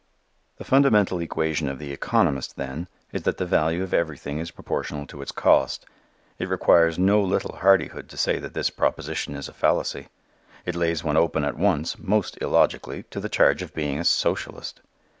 The fundamental equation of the economist, then, is that the value of everything is proportionate to its cost. It requires no little hardihood to say that this proposition is a fallacy. It lays one open at once, most illogically, to the charge of being a socialist.